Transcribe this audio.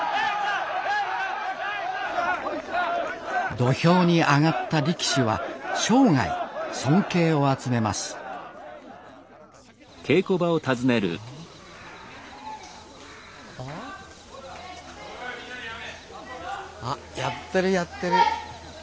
土俵に上がった力士は生涯尊敬を集めますあやってるやってる。